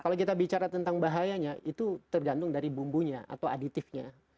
kalau kita bicara tentang bahayanya itu tergantung dari bumbunya atau aditifnya